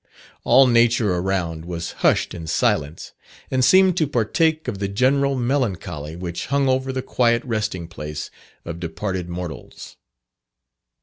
All nature around was hushed in silence, and seemed to partake of the general melancholy which hung over the quiet resting place of departed mortals.